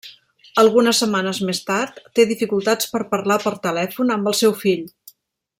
Algunes setmanes més tard, té dificultats per parlar per telèfon amb el seu fill.